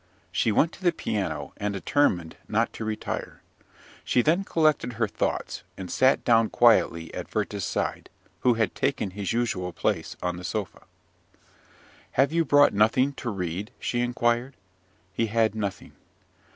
She went to the piano, and determined not to retire. She then collected her thoughts, and sat down quietly at Werther's side, who had taken his usual place on the sofa. "Have you brought nothing to read?" she inquired. He had nothing.